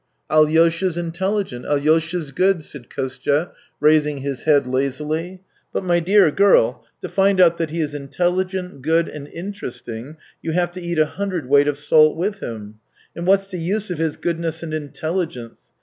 ..."" Alyosha's intelligent. Alyosha's good," said Kostya, raising his head lazily; " but, my dear girl, to find out that he is intelligent, good, and interesting, you have to eat a hundredweight of salt with him. ... And what's the use of his goodness and intelligence